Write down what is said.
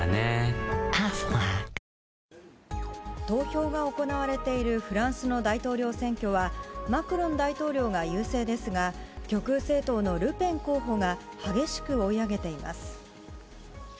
投票が行われているフランスの大統領選挙は、マクロン大統領が優勢ですが、極右政党のルペン候補が激しく追い上げています。